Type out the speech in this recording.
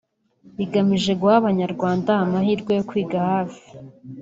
rigamije guha Abanyarwanda amahirwe yo kwiga hafi